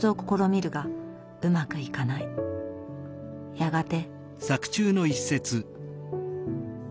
やがて。